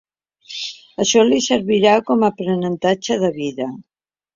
Això li servirà com a aprenentatge de vida.